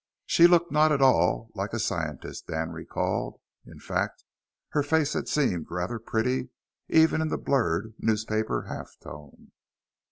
She looked not at all like a scientist, Dan recalled. In fact, her face had seemed rather pretty, even in the blurred newspaper half tone.